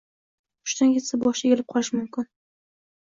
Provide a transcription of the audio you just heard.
Hushidan ketsa, boshi egilib qolishi mumkin.